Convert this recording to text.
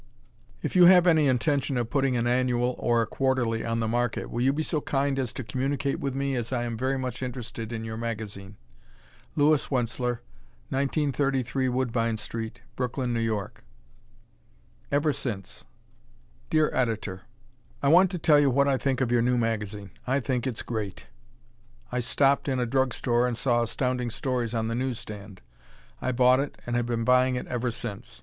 If you have any intention of putting an annual or a quarterly on the market, will you be so kind as to communicate with me as I am very much interested in your magazine. Louis Wentzler, 1933 Woodbine St., Brooklyn, N. Y. "Ever Since" Dear Editor: I want to tell you what I think of your new magazine. I think it's great. I stopped in a drug store and saw Astounding Stories on the newsstand. I bought it and have been buying it ever since.